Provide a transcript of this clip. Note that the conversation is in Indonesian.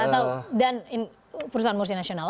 atau dan perusahaan multinasional